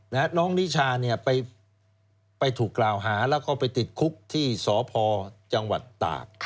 น้องนิชาเนี่ยไปถูกกล่าวหาแล้วก็ไปติดคุกที่สพจังหวัดตาก